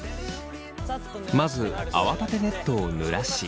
まず泡立てネットをぬらし。